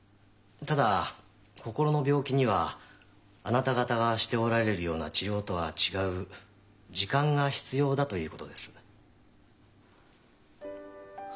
ただ心の病気にはあなた方がしておられるような治療とは違う時間が必要だということです。